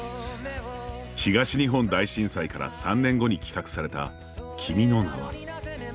東日本大震災から、３年後に企画された「君の名は。」。